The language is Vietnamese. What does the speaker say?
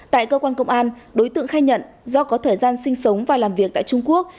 tại cơ quan công an đối tượng khai nhận do có thời gian sinh sống và làm việc tại trung quốc